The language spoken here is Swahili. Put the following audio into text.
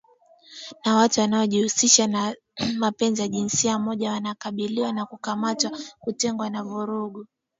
na watu wanaojihusisha na mapenzi ya jinsia moja wanakabiliwa na kukamatwa kutengwa na vurugu